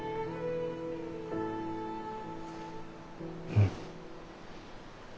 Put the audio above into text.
うん。